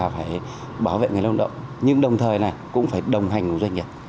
phải bảo vệ người lao động nhưng đồng thời cũng phải đồng hành cùng doanh nghiệp